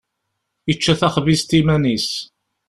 Yečča taxbizt iman-is.